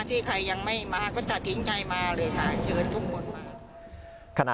ที่ใครยังไม่มาก็ตัดสินใจมาเลยค่ะเชิญทุกคนมา